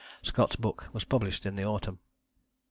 Scott's book was published in the autumn.